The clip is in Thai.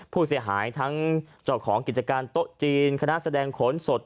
ผู้เสียหายทั้งเจ้าของกิจการโต๊ะจีนคณะแสดงโขนสด